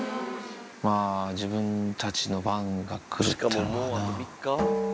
まあ、自分たちの番がくるってのがな。